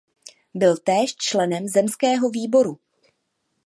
Byl též členem zemského výboru.